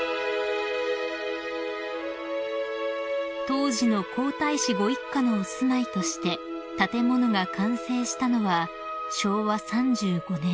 ［当時の皇太子ご一家のお住まいとして建物が完成したのは昭和３５年］